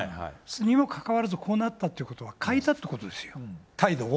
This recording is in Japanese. にもかかわらずこうなったということは、変えたということですよ、態度を。